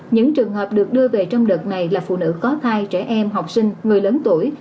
những trường hợp được đưa về trong đợt này là phụ nữ có thai trẻ em học sinh người lớn tuổi